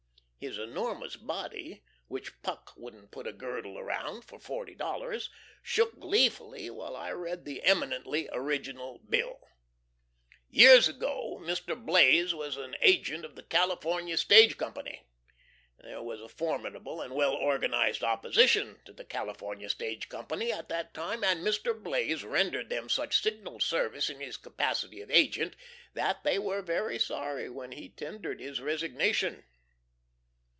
His enormous body (which Puck wouldn't put a girdle around for forty dollars) shook gleefully while I read this eminently original bill. Years ago Mr. Blaze was an agent of the California Stage Company. There was a formidable and well organized opposition to the California Stage Company at that time, and Mr. Blaze rendered them such signal service in his capacity of agent that they were very sorry when he tendered his resignation.